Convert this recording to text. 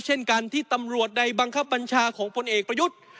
เช่นกันที่ตำรวจใดบังคับบัญชาของพลเอกประยุทธ์